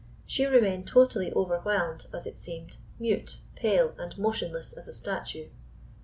She remained totally overwhelmed, as it seemed—mute, pale, and motionless as a statue.